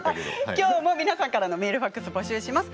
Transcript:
今日も皆さんからのメール、ファックスを募集します。